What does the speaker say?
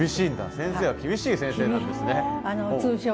先生は厳しい先生なんですね。